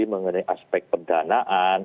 mengenai aspek perdanaan